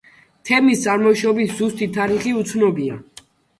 თემის წარმოშობის ზუსტი თარიღი უცნობია.